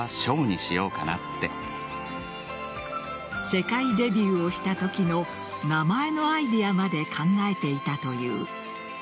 世界デビューしたときの名前のアイデアまで考えていたという。